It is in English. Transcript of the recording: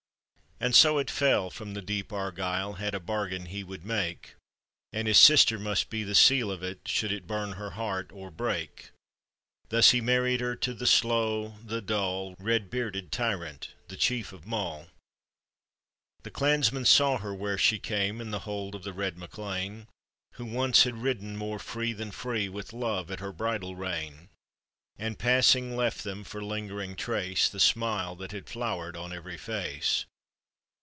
And so it fell from the deep Argyle Had a bargain he would make, And his sister must be the seal of it, Should it burn her heart or break. Thus he married her to the slow, the dull, Bed bearded tyrant, the chief of Mull. The clansmen saw her where she came In the hold of the red MacLean, Who once had ridden more free than free With love at her bridle rein, And passing left them for lingering trace The smile that had flowered on every face.